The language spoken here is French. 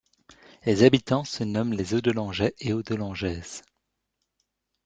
Les habitants se nomment les Audelangeais et Audelangeaises.